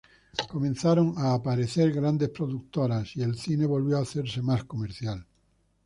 Comenzaron a aparecer grandes productoras y el cine volvió a hacerse más comercial.